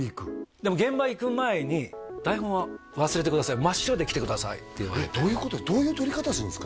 でも「現場行く前に台本は忘れてください」「真っ白で来てください」って言われてどういう撮り方するんですか？